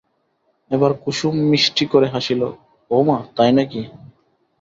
এবার কুসুম মিষ্টি করি হাসিল, ওমা, তাই নাকি?